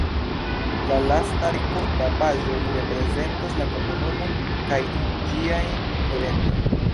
La lasta deko da paĝoj prezentas la komunumon kaj ĝiajn eventojn.